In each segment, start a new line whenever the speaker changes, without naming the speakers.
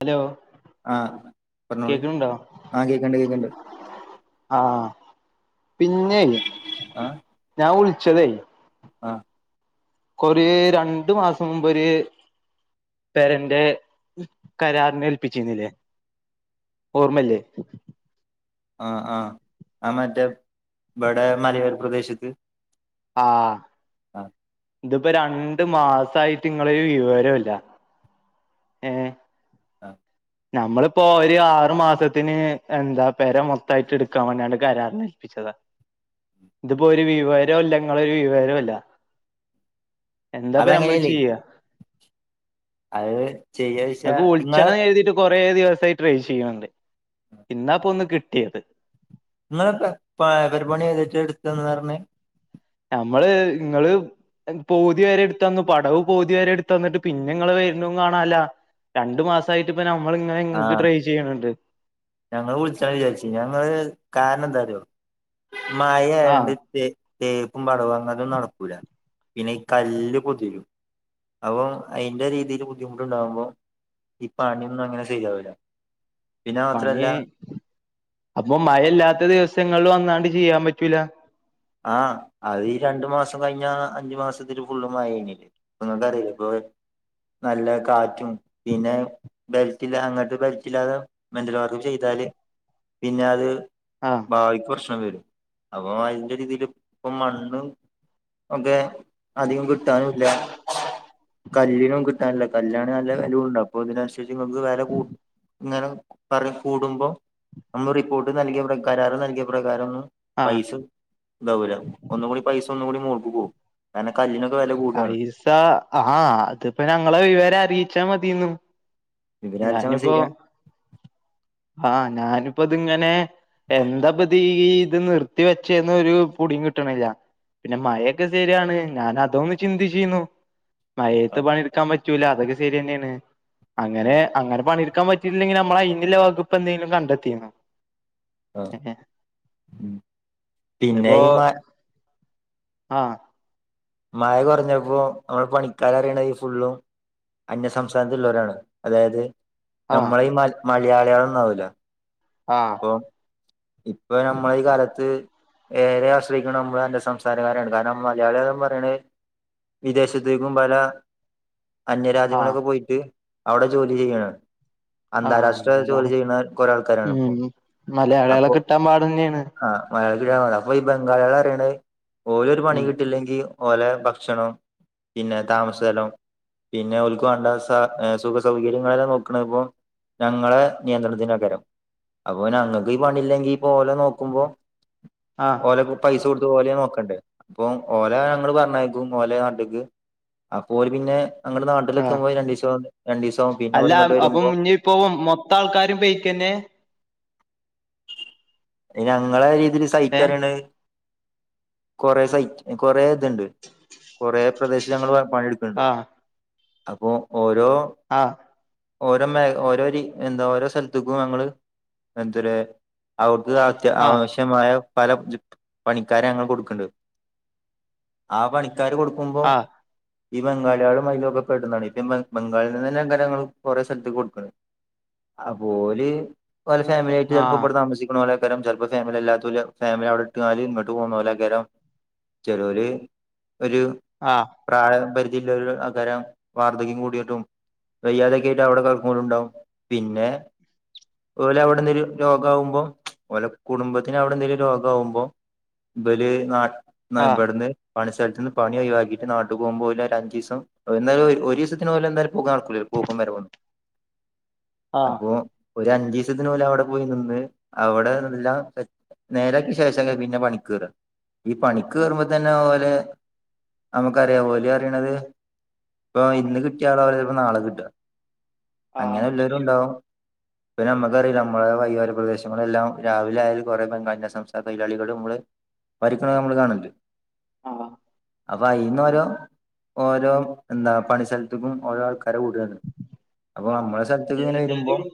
hello
ആഹ് പറഞ്ഞോളി
കേക്കണുണ്ടോ
ആ കേക്കണ്ട് കേക്കണ്ട്
പിന്നെയ്
ആ
വിളിച്ചതെയ്
ആ
കൊറേ രണ്ടു മാസം മുമ്പൊര് പെരന്റെ കരാറിനെ ഏൽപ്പിച്ചിരിന്നീല്ലേ ഓർമ്മല്ലേ
ആഹ് ആഹ് ആ മറ്റേ ഇബടെ മലയോര പ്രദേശത്ത്
ആഹ്
ആ
ഇതിപ്പോ രണ്ടു മാസായിട്ട് ഇങ്ങളൊരു വിവരോല്ല ഏഹ്
ആഹ്
നമ്മളിപ്പോ ഒരു ആറു മാസത്തിന് എന്താ പെര മോത്തായിട്ട് എടുക്കാൻ വേണ്ടി ന്നട്ട് കരാറിന് ഏൽപ്പിച്ചതാ ഇതിപ്പോ ഒരു വിവരോല്ല ഇങ്ങളൊരു വിവരോല്ല എന്താപ്പ നമ്മള്
അതങ്ങനെയല്ലേ
ചെയ്യ
അത് ചെയ്യാച്ചാ ഇങ്ങളെ
കുറേ ദിവസമായി ട്രൈ ചെയ്യേണ്ട് ഇന്നാപ്പോ ഒന്ന് കിട്ടിയത്
ഇങ്ങളെ പ പെരപണി ഏതച്ചേ എടുത്തന്ന് പറഞ്ഞ്
ഞമ്മള് ഇങ്ങള് പോതിവരെ എടുത്തന്നു പടവ് പോതിയവരെ എടുത്ത്ന്നിട്ട് പിന്നെ ഇങ്ങള് വരുന്ന കാണല്ല രണ്ടു മാസായിട്ട് ഇപ്പ നമ്മളിങ്ങനെ ഇങ്ങക്ക്
ആഹ്
ട്രൈ ചെയ്യണണ്ട്
ഞങ്ങള് വിളിച്ചണം വിചാരിചിനു ഞങ്ങള് കാരണം എന്തറിയോ
ആഹ്
മഴആയോണ്ട് തെ തെ പടവങ്ങതും നടക്കൂല പിന്നെ ഈ കല്ല് പൊത്തിക്കും അപ്പം അതിന്റെ രീതിൽ ബുദ്ധിമുട്ടുണ്ടകുമ്പോ ഈ പണിന്നും അങ്ങനെ ശരിയാവൂല പിന്നെ
പണി
മാത്രല്ല
അപ്പൊ മഴയില്ലാത്ത ദിവസങ്ങളിൽ വന്നാണ്ട് ചെയ്യൻ പറ്റൂല
ആ അത് രണ്ടു മാസം കഴിഞ്ഞ അഞ്ചു മാസത്തിൽ ഫുള്ളും മഴ യിനിലെ നിങ്ങക്കറിയില്ലേ ഇപ്പൊ നല്ല കാറ്റും പിന്നെ ബെലറ്റില്ല അങ്ങോട്ട് ബെലറ്റില്ലാതെ മെന്റൽ വർക്ക് ചെയ്താല് പിന്നെ അത്
ആഹ്
ഭാവിക്ക് പ്രശ്നം വരും അപ്പോ ഒരേ രീതിൽ ഇപ്പം മണ്ണുംഒക്കെ അധികം കിട്ടു കിട്ടാനുലിയ കല്ലിനും അല്ല കല്യാണം നല്ല വിലയുണ്ട് അപ്പോൾ ഇതിനനുസരിച്ച് നിങ്ങൾക്ക് വില കൂട്ടി ഇങ്ങനെ പറ കൂടുമ്പോൾ നമ്മൾ റിപ്പോർട്ട് നൽകിയ പ്രകാരാര നൽകിയ പ്രകാരം ഒന്നും
ആഹ്
പൈസ ഇതാവൂല ഒന്നും കൂടി പൈസ ഒന്നും കൂടി മോൾക്ക് പോകും കാരണം കല്ലിന് പൈസ
പൈസ ആഹ അതിപ്പോ ഞങ്ങളെ വിവരം അറിയിച്ചാമതിയിനു
വിവരാറിയിച്ചാൽ ശരിയാ [unintelligible]
ആഹ് ഞാനിപ്പതെങ്ങനെ ഇതിങ്ങനെ എന്താപ്പത് ഈ ഇത് നിർത്തി വെച്ചന്ന് ഒരു പൊടിം കിട്ടണില്ല പിന്നെ മഴൊക്കെ ശരിയാണ് ഞാൻ അതോന്ന ചിന്തിചീന്നു മയത്ത് പണെടുക്കാൻ പറ്റൂല അതൊക്ക ശരിയനെയാണ് അങ്ങനെ അങ്ങനെ പണി ാൻ പറ്റയിില്ലെങ്കിൽ നമ്മള അയിെ വകുപ്പ് എന്തെങ്കിലും കണ്ടെത്തിയോ
ആ പിന്നെ [unintelligible]
ആഹ
മഴ കുറഞ്ഞപ്പോ നമ്മൾ പണിക്കാര അറിയണ ഈ ഫുള്ളും അന്യസംസ്ഥാനത്തള്ളവരാണ് അതായത്
ആഹ്
നമ്മള [unintelligible] മയാളികളൊന്നുംാവില്ല
ആഹ
ഇപ്പൊ നമ്മള കാലത്ത് ഏറെ ആശ്രയിക്കണ ന എന്റെ സംസാരകാരാണ് കാരണം മലയാളികന്ന് പറയണ വിദേശത്തേക്കും പല
ആഹ്
അന്യരാജ്യങ്ങളൊക്കെ പോയിട്ട് അവിടെ ജോലി ചെയ്യണ
ആഹ്
അന്താരാഷ്ട്ര ജോലി
അങ്ങനെയാണ്
ചെയ്യുന്ന കുറെ ആൾക്കാരാണ് ഇപ്പോൊ
അയാ ളെ കിട്ടാൻ പാടെ ന്നെണ്
[unintelligible] പോയ്‌ ബംഗാളെ ളാറീണ ഓലൊ രു പണി
ഉം
കിട്ടില്ലെങ്കി ഓ ലെ ഭക്ഷണം പിന്നെ താമ സ ലം പിന്നെ ഒൽ ക്ക് വാ ണ്ട സ സുഖ സൗകര്യങ്ങളെല്ലാം നോക്കണ് പ്പോ ഞങ്ങളെ നിയന്ത്രണത്തിനാ ക്കാ രം അപ്പോൾ ഞങ്ങ ഈ പണില്ലെങ്കി പോലെ നോക്കുമ്പോ
ആഹ്
ഓലക്കെ പൈസ കൊടുത്ത് ഓലെ നോക്ക ണ്ട് അപ്പൊ ഓലെ ഞങ്ങള് പറഞ്ഞയ ക്കും ഓലെ നാ ട്ട് ക്ക് അപ്പോ ഓ ല് പിന്നെ ഞങ്ങള്
ആഹ
നാട്ടിലെത്തുമ്പോ രണ്ടീസം രണ്ടീസാവും പിന്നെ ഓല്
അല്ലാ
ഇങ്ങോട്ട്
അപ്പൊ
വരുമ്പോ
മു ന്നി ഇപ്പൊ മൊത്തം ആൾക്കാരും പെയ് ക്കന്നെ
ഇ ഞങ്ങള രീ സയ്
ഏ
ക്കരണ് കൊറെ സൈറ്റ് കൊറെ തുണ്ട് കൊറേ പ്രദേശ ഞങ്ങൾ പോയ [unintelligible]
ആഹ്
അപ്പൊ പോ
ആഹ്
[unintelligible] ഓരോ മെ ഓരോ രി എന്തോ ഓരോ സൽ ത്ത് ക്കും ഞങ്ങൾ മെൻതുരെ ത് അത്ത് ‌
ആഹ്
അവശ്യ മായ പല ജ്ജ് പ് പണിക്കാരെ ഞങ്ങൾ കൊടുക്ക് ണ്ട് ആ പണി ക്കാര് കൊടുക്കുമ്പോ ഈ ബംഗാളെ ളും അതിലുൾ പെടുന്നാ ണ് ഇപ്പൊ ബംഗാളിന്ന് ന്നെ ങ്ങനെ ഞ ങ്ങൾ കൊറെ സൽ‍ത്ത് ക്ക്‌ കൊടുക്കുണ്‌ അപ്പൊ ഓല് ഒലെ ഫാമിലിയായ് ട്ട് ചെൽപോ
ആഹ്
ഇവടെ താമസിക്കുന്നോ കാ ക്കരം ചെൽ പ്പോ ഫാമിലി ഇല്ലാത്തോല് ഫാമിലി അവിടെ ഇ ട്ട് ആല് ഇങ്ങോട്ട് പോന്നോലാ ക്കരം ചേലോര് ഒരു
ആഹ്
പ്രായപരിത് ഇല്ലോ ലാ ആ ക്കാരം വാർദ്ധക്യം കൂടിയിട്ടും വയ്യാതെക്കെ ആയിട്ട് അവിടെ കെടക്കുനോരും ണ്ടാവും പിന്നെ ഓ ലെ അവിടുന്നൊല് രോഗ ആകുമ്പോ ഓലെ കുടുംബത്തിന് അവിടെ എന്തെലും രോഗാവു മ്പോ ഇപ ല് നാ ന്ന
ആഹ്
ഇവ്ട്ന്ന് പണി സൽ ത്ത് നിന്ന് പണി ഒയ് വാക്കിട്ട് നാട്ട്ക്ക് പോകുമ്പോ ഓല ഒരഞ്ചിസം എ ന്താ ലും ഒരീ സത്തിന് ഒലെ എന്താലും പോക്ക്നടക്കൂല്ലല്ലോ പോക്കും വരവും ഒന്നും
ആഹ് ആഹ്
അപ്പോ ഒരു അഞ്ജീസത്തിനു ഓല വിടെ പോയി നിന്ന് അവിടെ എ ല്ലാം നേരാക്ക്യ ശേഷാ ക്കാരം പിന്നെ പണിക്കേറാ ഈ പണിക്ക് കേറുമ്പോ തന്നെ ഓരെ നമ്മുക്കറിയാം ഓല് പറീ ണ ത് പ്പൊ
ആഹ്
ഇന്ന് കിട്ടിയാതവര് പോ നാളെ കിട്ടാ
ആഹ്
അങ്ങനെല്ലോരു
അങ്ങനെയാണ്
ണ്ടാവും പ്പൊ ഞ മ്മക്കറീ ല്ല നമ്മളെ വൈയൊര പ്രദേശങ്ങളെല്ലാം രാവിലെ ആയാൽ കൊ റെ ബെങ്കാളിന്റെ സംസ്ഥാന തൊയ്ലാളികള്ടെ മ്മള് പ രിക്ക്‌ അ മ്മള് കാണല്ണ്ട്
ആഹ
അപ്പൊ അയിന്ന് ഓരോ ഓരോ എന്താ പണി സ്ഥലത്ക്കും ഓരോ ആൾക്കാരെ വിടാണ് അപ്പൊ
ആഹ്
നമ്മളെ സ്ഥലത്ക്ക് ഇങ്ങനെ വരുമ്പോ
ഏതാച്ചാലും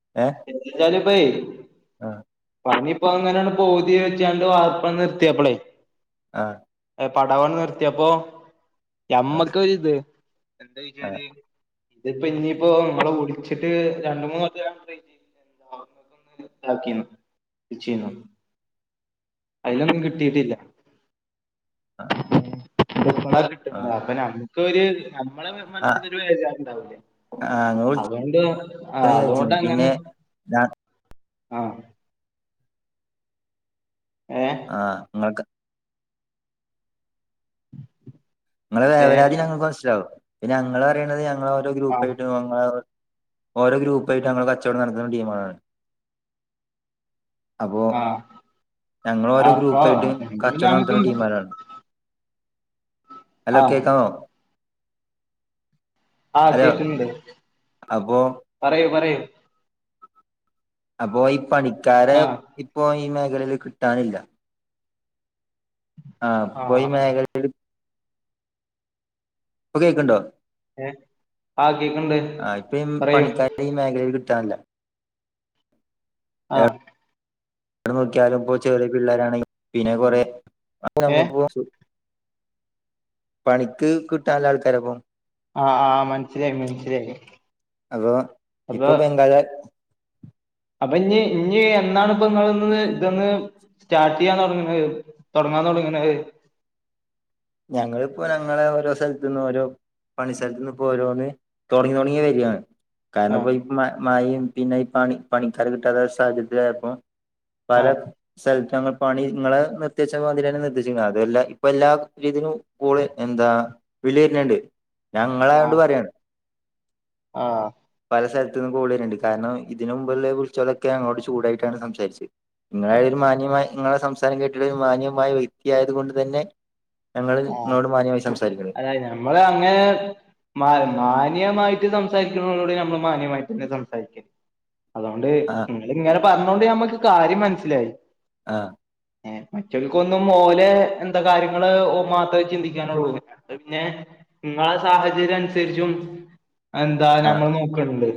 [unintelligible]
ആഹ്
പണി ഇപ്പോ അങ്ങനണ് പോതി വെച്ചാണ്ട് വാർപ്പ നിർത്തിയപ്പളെ
ആഹ്
പടവന്ന് നിർത്തിയപ്പൊ
ആ
യമ്മക്ക് ഒരിത് എന്താ
ആ
ചോയ്ച്ചാല് ഇതിപ്പോ ഇനിയിപ്പോ നമ്മളെ വിളിച്ചിട്ട് രണ്ട് മൂന്ന് വട്ടാകുമ്പതെക്ക് [unintelligible] താക്കിന്ന് വിച്ചിന്നോ അതിലൊന്നും കിട്ടീട്ടില്ല
ആഹ്
എന്ന കിട്ടും നോക്കണം കര്യാഇല്ലേ നമ്മളെ മന്
ആ
മനസ്സിലൊരു വേചാറുണ്ടാവൂലേ
ആ ഇങ്ങള് വിളിച്ചന്ന്
അതുകൊണ്ട് ആ
വിചാരിച്ചിനി
അതുകൊണ്ട്
പിന്നെ
അങ്ങനോന്നും
ഞാ
- ആഹ്
ആഹ് നിങ്ങക്ക് നിങ്ങടെ
ഏ
വേവലാധി ഞങ്ങൾക്ക് മനസ്സിലാവും പിന്നെ ഞങ്ങള് അറിയണത് ഞങ്ങ് ങ്ങ ഓരോ
ആ
ഗ്രൂപ്പ് ആയിട്ട് അങ്ങനെ ഓരോ ഗ്രൂപ്പായിട്ട് ഞങ്ങൾ കച്ചവടം നടത്തുന്ന ഡിമാണ് അപ്പോ
ആ
ഞങ്ങൾ ഓരോ
അപ്പൊ
ഗ്രൂപ്പട്ട് കചോടം
നമുക്ക്
നടത്തുന്ന ടീംമാരാണ് ഹലോ
ആ
കേക്കാവോ
ആകേക്കുന്ന്ണ്ട്
അപ്പോ
പറയൂ പറയൂ
അപ്പൊയ് പണിക്കാരെ
ആ
ഇപ്പൊ ഈ ഈ മേഖലയിൽ കിട്ടാനില്ല ആഹ്
ആ
ഇപ്പോ ഈ
ആ
മേഖലയില് ഇപ്പൊ കേക്ക്ണ്ടോ
ഏ ആ കേക്ക്ണ്ട്
ആ ഇപ്പൊ
പറയൂ
പണിക്കാരെ ഈ മേഖലയിൽ കിട്ടാനില്ല
ആഹ്
അവിടെ നോക്കിയാലും ഇപ്പോ ചെറിയ പിള്ളോരണ് പിന്നെ കൊറെ അപ്പോ
ഏ
ഞമ്മക്ക് പണിക്ക് കിട്ടൻല്ല ആൾക്കാരെപ്പ
ആഹ് ആഹ് മൻസ്സിലായി മൻസ്സിലായി
അപ്പൊ ഇപ്പൊ
അപ്പൊ
ബംഗാള
അപ്പൊ ഇഞ്ഞ് ഇഞ് എന്നാണ് ഇപ്പൊ നിങ്ങ ഇതന്ന് സ്റ്റാർട്ട് ചെയ്യാൻ തുടങ്ങണത് തൊടങ്ങാൻ തുടങ്ങ്ണെ
ഞങ്ങളിപ്പോ ഞങ്ങളെ ഓരോ സ്ഥലത്ത നിന്നും ഓരോ പണി സ്ഥലത്തുന്ന് ഇപ്പോ ഓരോന്ന് തൊടങ്ങി തൊടങ്ങി വരണ് കാരണം
ആ
ഇപ്പൊ ഇപ്പ മാഴിം പിന്നെ ഈ പണി പണിക്കാരെ കിട്ടാതാ സഹചര്യത്തിലായപ്പം പല
ആ
സൽ ഞങ്ങൾ പണി ങ്ങളെ നിർത്തിച്ച മന്തിരി തന്നെ നിർത്തിവച്ചക്ക അത് അല്ല ഇപ്പ എല്ലാ ഇതിന് കൂടെ എന്താ വിളി വര്ന്ണ്ട് ഞാൻ ങ്ങളയോണ്ട് പറയാണ്
ആഹ്
പല സ്ഥലത്ത്ന്നും കോള് വര്ന്ണ്ട് കാരണം ഇതിന് മുമ്പുള്ള വിളിച്ചോരോക്കെ ഞങ്ങളോട് ചൂടായിട്ടാണ് സംസരിച്ചത്
ആ
നിങ്ങളെ ഒരു മാന്യമായി നിങ്ങളെ സംസാരം കേട്ടിട്ട് ഒരു മാന്യമായ വ്യക്തിയായത് കൊണ്ട് തന്നെ ഞങ്ങള്
ആഹ്
നിങ്ങളോട് മാന്യമായി സംസാരിക്കണ്
അതായ നമ്മൾ അങ്ങനെ മ മാന്യമായിട്ട് സംസാ സംസാരി [unintelligible] നമ്മള് മാന്യമായിട്ട് തന്നെ സംസാരിക്ക അതുകൊണ്ട്
ആ
നിങ്ങൾ ഇങ്ങനെ പറഞ്ഞൊണ്ട് നമ്മുക്ക് കാര്യംമന സി ല്ലായി
ആഹ്
ഏ മറ്റവൾക്കൊന്നും ഓലെ എന്താ കാര്യങ്ങള് മാത്ര ചിന്തിക്കാന [unintelligible] പിന്നെ നിങ്ങളെ സാഹചര്യം അനുസരിച്ചും എന്താ
ആ്ഹ്
ഞമ്മൾ നോക്കണ്ട്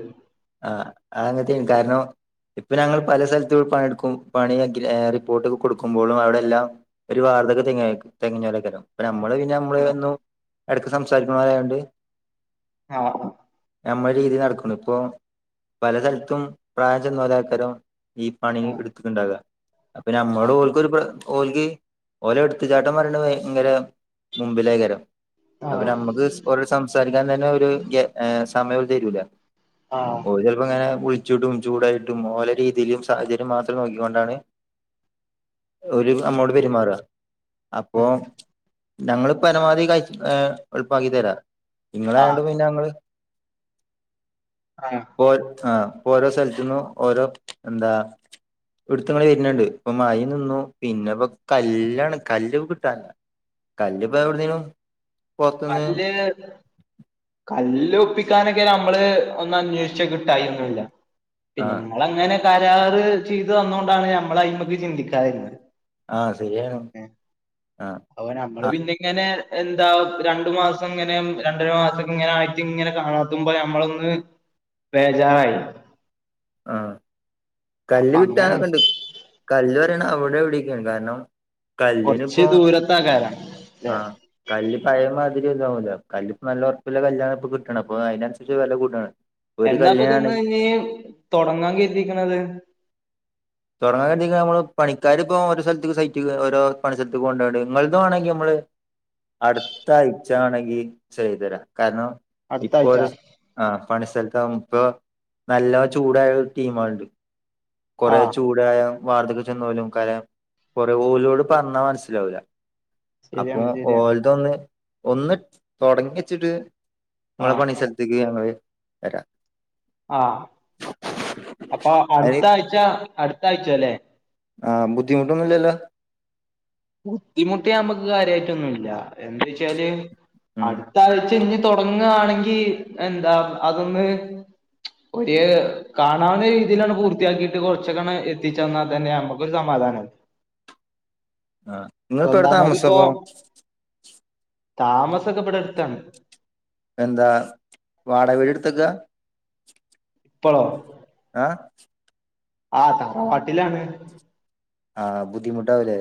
ആഹ് ആങ്ങത്തെയ കാര് ണോ ഇപ്പൊ ഞങ്ങൾ പല സ്ഥലത് പണിടുക്കും പണി എഗ്രി റിപ്പോർട്ടൊ കൊടുക്കുമ്പോളും അവിടെ എല്ലാം ഒരു വാർധക തിങ്ങ [unintelligible] അപ്പ നമ്മള് പിന്നെ നമ്മള് ഒന്നു എടക്ക് സംസാരിക്കണരായണ്ട്
ആ
നമ്മള രീതി നടക്കുന്നു ഇപ്പൊ പല സ്ഥലത്തും പ്രായം ചെന്ന [unintelligible] ആക്കാരും ഈ പണിൾ
ആഹ്
എടുത്തിട്ടുണ്ടാകാ പിന്നെ നമ്ളോടൊള്ക്കൊരു പ ഓൽക്ക് ഓല എടുത്തുചാട്ടം പറയണ ഭയങ്കര മുമ്പിലേകരം അപ്പപ്പിന്നെ
ആഹ്
നമ്മക്ക് [unintelligible] സംസാരിക്കാൻ തന്നെ ഒരു ഗ്യ സമയൊര് തരൂല
ആഹ് ആഹ്
ഓര് ചെലപ്പോ ഇങ്ങനെ [unintelligible] ചുടും ചൂടയിട്ടും ഓല രീതിയിലും സാഹചര്യം മാത്രം നോക്കികൊണ്ടാണ് ഒര് അമ്മോട്
ഉം
പെരുമാറുവ അപ്പൊ
ഉം
ഞങൾ പരമാവധി കയ് എ എൾപ്പാക്കി ത്തെരാ നിങൾ
ആഹ്
അയോണ്ട് പിന്നെ ഞങ്ങള്
ആഹ്
ആ ഓരോ സ്ഥലത്തുന്നും ഓരോ എന്താ [unintelligible] വരുന്നുണ്ട് ഇപ്പൊ മാഹിൽ നിന്നും പിന്നെ ഇപ്പ കല്ലാണ് കല്ലു കിട്ടാനില്ല കല്ല് ഇപ്പൊ ഇവിടുന്ന്
കല്ല് കല്ലും ക്കാനൊക്കെ നമ്മള് ഒന്ന് അന്വേഷിച്ചാൽ കിട്ടൈമ ഒന്നുവില്ല
ആ
പിന്നെ കരാർ ചെയ്തു തന്നോണ്ടാണ് നമ്മള് അയ്മക്ക് ചിന്തിക്കാതിരുന്നത്
ആ ശരിയാണ്
ഏ
ആഹ്
അപ്പൊ നമ്മള്
ആഹ്
പിന്നെങ്ങനെ എന്താ രണ്ടു മാസം ഇങ്ങനെ രണ്ടര മാസ ഇങ്ങനെ ആയിട്ട് ഇങ്ങനെ കാണാത്തുമ്പോ ഞമ്മളൊന്ന് ബേജാറായി
ആ കല്ല്
അപ്പൊ
കിട്ടാ
അങ്ങനെ
കണ്ട് കല് അവിടെ വിളിക്കും കാരണം കല്ലിന
കൊറച്ച്
ഇപ്പം
ദൂരത്താക്കാരം ല്ലേ
ആ കല്ല് പയ മാതി ല്പ്പ നല്ല ഉറപ്പില്ല കല് ഇ കിട്ടണം അപ്പ അതിനനുസരിച്ച് വില കൂടാണ് ഒരു
എന്നാപ്പൊ തോന്ന്
കല്ലിനാണെങ്കിൽ
ഞ്ഞ് തുടങ്ങാൻ കേതിരിക്ക്ണത്
അ കരുതി നമ്മള് പണിക്കാർ ഇപ്പോ ഓരോ സ്ഥലത്ത സൈറ്റ് ഓരോ പണി സ്ഥലത്തക്ക് കൊണ്ടുപ ഇ നിങ്ങ വണെങ്കി നമ്മള് അടുത്ത ആഴ്ച ആണെങ്കി ചെയ്ത് തരാം കാരണം
അടുത്ത
ഇപ്പോ
ആഴ്ച
ഒരു ആ പണി സ്ത ഇപ്പ നല്ല ചൂടായ ഒരു ടീമാള്ണ്ട്
ആ
[unintelligible] കാര്യം കുറേ ഓലോട് പറഞ്ഞാൽ മനസ്സിലാവൂല്ല അപ്പൊ
ശരിയാണ് ശരിയാണ്
ഓൽതൊന്ന് ഒന്ന് തൊടങ്ങിച്ചിട്ട് ങ്ങളെ
ആഹ്
പണിസ്ഥലത്തിൽക്ക് ഞങ്ങള് വരാ
ആ അപ്പ
അയിന്
അടുത്ത ആഴ്ച അട് ത്തായ്ച്ചല്ലേ
ആ ബുദ്ധിമുട്ടൊന്നുല്ലല്ലോ
ബുദ്ധിമുട്ട് നമ്മക്ക് കാര്യയിട്ടൊന്നുല്ല എന്ത്‌ച്ചാല്
ഉം
അടുത്ത ആഴ്ച ഞ്ഞി തൊടങ്ങാണെങ്കി എന്താ അതൊന്ന് ഒര് കാണാവുന്ന രീതിലാണ്ട് പൂർത്തിയാക്കിട്ട് കൊറച്ചക്കണ എത്തിച്ചന്നാ തന്നെ നമ്മുക്കൊരു സമാധാനാവും
ആ ങ്ങള് ഇപ്പോ എവിടെ താമസപ്പോ
താമസൊക്ക ബടെ അടുത്താണ്
എന്താ വാടകവീട് ഇട്ത്തേക്ക
ഇപ്പളോ
ആ
ആ തറവാട്ടിലാണ്
ആ ബുദ്ധിമുട്ടാവുലേ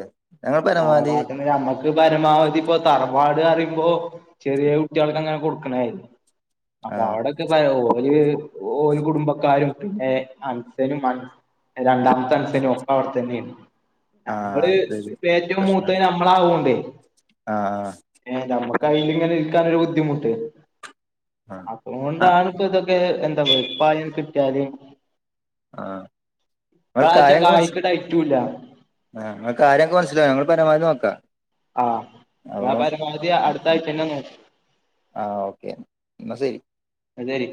തറവാട്ടില് ഞമ്മക് ക് പരമാവധി പ്പൊ തറവാട് പറയുമ്പോ ചെറിയ കുട്ടികൾക്കെങ്ങാനും കൊടുക്കണായിരുന്നു
ആ
അപ്പൊ അവടൊക്കെ പ്പ പ്പൊ ഈ ഓര് കുടുംബക്കാരും പിന്നെ അൻസനും അൻ രണ്ടാമത്തെ അൻസനും ഒക്ക അവിടെ തന്നെണ്
ആ
നമ്മള്
അതൊരു
പ്പ ഏറ്റോം മൂത്തത്
പ്രശ്നാണ്
ഞമ്മളാവോണ്ടേ
ആ ആ
ക്കയിലിങ്ങനെ ഇരിക്കാനൊരു ബുദ്ധിമുട്ട്
ആ ആ
അതുകൊണ്ടാണ് പ്പൊ ഇതൊക്കെ എന്താ വെട്പായി കി ട്ട്യാല്
ആ ആ കായം കൊറച്ച്
കായ്ക്ക് ഡയറ്റുല്ല
ആ ങ്ങളെ കാര്യം കൊറച്ച് ഇല്ല ഞങ്ങള് പരമാവധി നോക്കാ
ആഹ് വ്യാപാര സമിതി അടു ത്തായിട്ടെന്നെ നോക്കു
ആഹ് ഓക്കെ ന്നാ ശരി
ന്ന ശരി